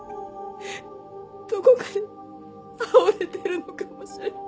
どこかで倒れてるのかもしれない。